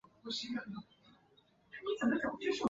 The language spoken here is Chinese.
北京西路是南京市鼓楼区的一条东西向干道。